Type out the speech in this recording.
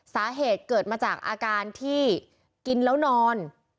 สาเหตุเกิดมาจากอาการที่กินแล้วนอน